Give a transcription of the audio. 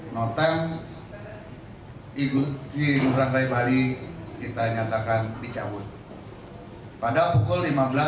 noten igusti ngurah rai bali kita nyatakan dicabut pada pukul lima belas